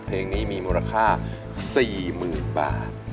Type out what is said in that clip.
เพลงนี้มีมูลค่าสี่หมื่นบาท